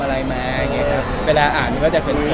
มีมีมีมีมีมีมีมีมีมีมีมีมีมีมี